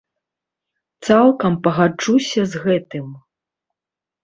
Цалкам пагаджуся з гэтым.